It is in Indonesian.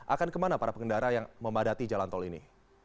akan kemana para pengendara yang memadati jalan tol ini